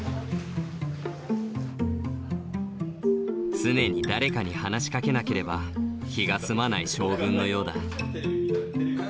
常に誰かに話しかけなければ気が済まない性分のようだ。